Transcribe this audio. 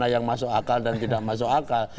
yang masuk akal dan tidak masuk akal